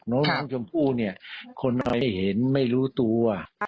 น้องชมพู่เนี่ยคนเราไม่เห็นไม่รู้ตัว